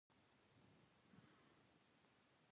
دوکاندار د خلکو باور نه بایلي.